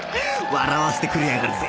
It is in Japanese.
笑わせてくれやがるぜ